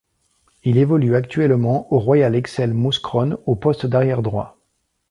Il évolue actuellement au Royal Excel Mouscron au poste d'arrière droit.